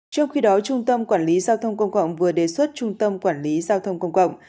trong khi đó trung tâm quản lý giao thông công cộng vừa đề xuất trung tâm quản lý giao thông công cộng